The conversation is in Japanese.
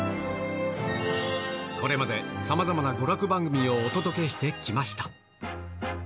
これまでさまざまな娯楽番組をお届けしてきました。